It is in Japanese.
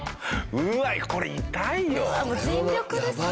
うわっこれ痛いよ。